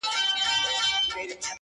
زما غمی یې دی له ځانه سره وړﺉ,